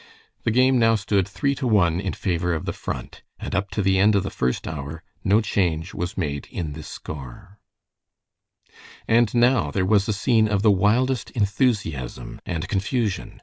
The game now stood three to one in favor of the Front, and up to the end of the first hour no change was made in this score. And now there was a scene of the wildest enthusiasm and confusion.